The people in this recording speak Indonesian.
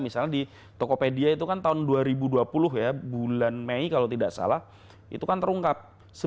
misalnya di tokopedia itu kan tahun dua ribu dua puluh ya bulan mei kalau tidak salah itu kan terungkap